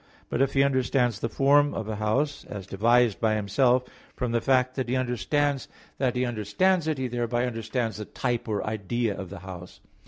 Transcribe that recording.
But if he understands the form of a house, as devised by himself, from the fact that he understands that he understands it, he thereby understands the type or idea of the house.